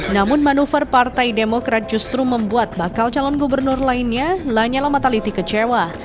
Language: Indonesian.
namun manuver partai demokrat justru membuat bakal calon gubernur lainnya lanyala mataliti kecewa